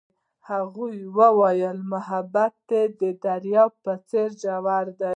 هغې وویل محبت یې د دریاب په څېر ژور دی.